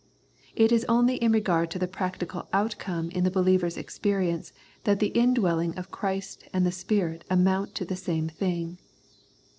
It is only in regard to the practical outcome in the believer's experience that the indwelling of Christ and the Spirit amount to the same thing.